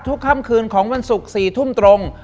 ค่ำคืนของวันศุกร์๔ทุ่มตรง